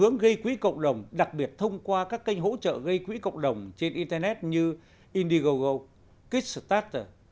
hướng gây quỹ cộng đồng đặc biệt thông qua các kênh hỗ trợ gây quỹ cộng đồng trên internet như indiegogo kickstarter